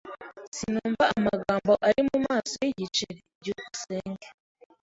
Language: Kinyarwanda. Sinumva amagambo ari mumaso yigiceri. byukusenge